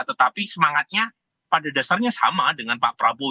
tetapi semangatnya pada dasarnya sama dengan pak prabowo